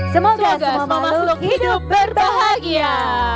semoga semua makhluk hidup berbahagia